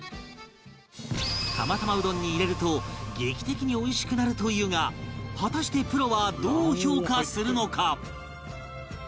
釜玉うどんに入れると劇的においしくなるというが果たしてプロはどう評価するのか？